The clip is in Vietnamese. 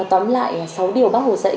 nói tóm lại sáu điều bác hồ dạy